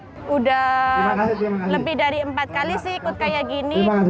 sudah lebih dari empat kali sih ikut kayak gini